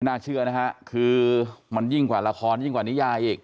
น่าเชื่อนะฮะคือมันยิ่งกว่าละครยิ่งกว่านิยายอีก